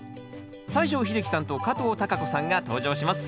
西城秀樹さんと加藤貴子さんが登場します